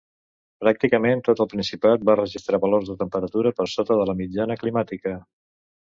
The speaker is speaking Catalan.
Pràcticament tot el Principat va registrar valors de temperatura per sota de la mitjana climàtica.